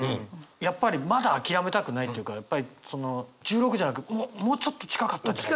やっぱりまだ諦めたくないというかやっぱりその十六じゃなくもうちょっと近かったんじゃないか。